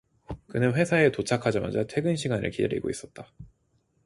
그는 회사에 도착하자마자 퇴근 시간을 기다리고 있었다.